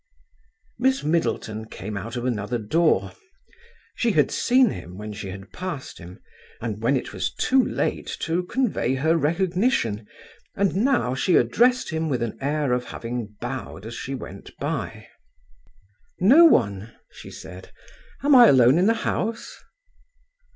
Miss Middleton came out of another door. She had seen him when she had passed him and when it was too late to convey her recognition; and now she addressed him with an air of having bowed as she went by. "No one?" she said. "Am I alone in the house?"